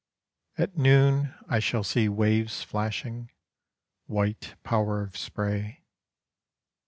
At noon I shall see waves flashing, White power of spray.